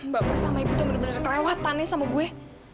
bapak sama ibu tuh bener bener kelewatannya sama gue